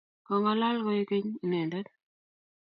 Kong'alal kowek keny inendet .